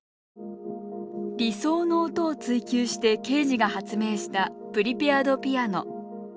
理想の音を追求してケージが発明したプリペアド・ピアノ。